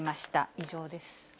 以上です。